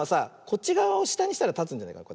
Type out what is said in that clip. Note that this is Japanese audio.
こっちがわをしたにしたらたつんじゃないかな。